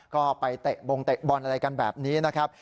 ก็ไปเตะบงเตะบอลอะไรกันแบบนี้นะครับ